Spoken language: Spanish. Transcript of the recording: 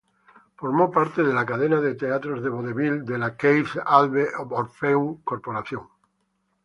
Formó parte de la cadena de teatros de vodevil de la Keith-Albee-Orpheum Corporation.